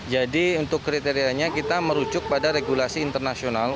jadi untuk kriterianya kita merujuk pada regulasi internasional